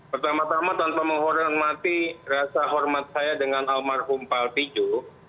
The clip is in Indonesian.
pertama tama tanpa menghormati rasa hormat saya dengan almarhum paltijo